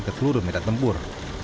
ke seluruh medan tempur